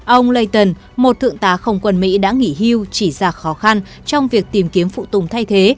ông leeton một thượng tá không quân mỹ đã nghỉ hưu chỉ ra khó khăn trong việc tìm kiếm phụ tùng thay thế